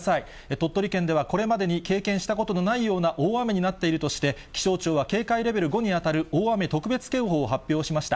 鳥取県ではこれまでに経験したことのないような大雨になっているとして、気象庁は警戒レベル５に当たる大雨特別警報を発表しました。